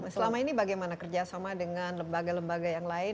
selama ini bagaimana kerjasama dengan lembaga lembaga yang lain